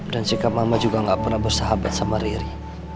dan sikap mama juga gak pernah bersahabat sama riri